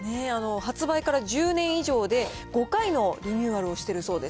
発売から１０年以上で、５回のリニューアルをしてるそうです。